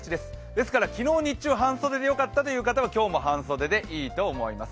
ですから、昨日日中は半袖でよかったという方は、今日も半袖でいいと思います。